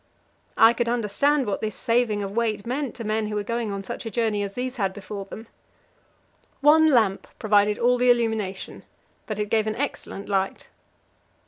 I could understand what this saving of weight meant to men who were going on such a journey as these had before them. One lamp provided all the illumination, but it gave an excellent light.